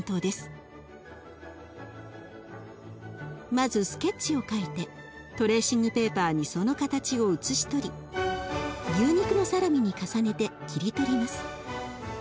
まずスケッチを描いてトレーシングペーパーにその形を写し取り牛肉のサラミに重ねて切り取ります。